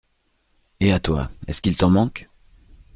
Et à toi, est-ce qu’il t’en manque ?